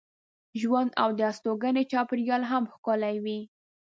ژوند او د استوګنې چاپېریال هم ښکلی کوي.